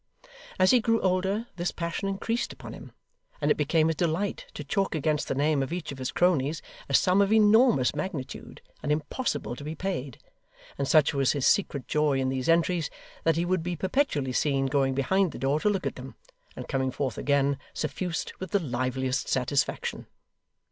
As he grew older this passion increased upon him; and it became his delight to chalk against the name of each of his cronies a sum of enormous magnitude, and impossible to be paid: and such was his secret joy in these entries, that he would be perpetually seen going behind the door to look at them, and coming forth again, suffused with the liveliest satisfaction.